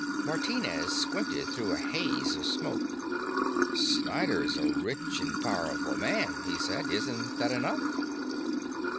Martinez squinted through a haze of smoke. "Snyder's a rich and powerful man," he said. "Isn't that enough?"